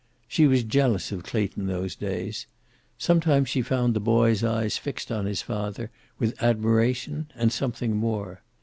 She was jealous of Clayton those days. Some times she found the boy's eyes fixed on his father, with admiration and something more.